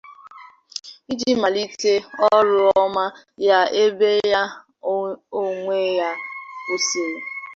iji malite ọrụ ọma ya ebe ya onwe ya kwụsịrị